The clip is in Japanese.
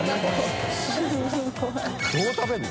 どう食べるの？